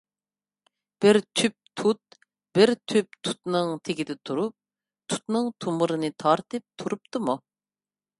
بىر تۈپ تۇت، بىر تۈپ تۇتنىڭ تېگىدە تۇرۇپ، تۇتنىڭ تۇمۇرىنى تارتىپ تۇرۇپتىمۇ؟